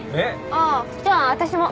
あぁじゃあ私も。